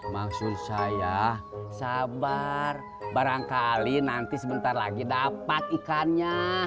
maksud saya sabar barangkali nanti sebentar lagi dapat ikannya